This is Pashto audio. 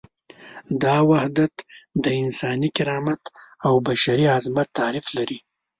دا حدود د انساني کرامت او بشري عظمت تعریف لري.